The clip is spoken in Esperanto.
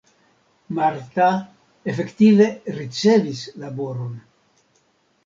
Marta efektive ricevis laboron.